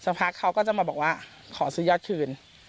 พักเขาก็จะมาบอกว่าขอซื้อยอดคืน